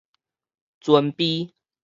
尊卑